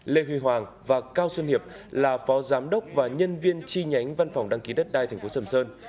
lê huy hoàng và cao xuân hiệp là phó giám đốc và nhân viên chi nhánh văn phòng đăng ký đất đai tp sầm sơn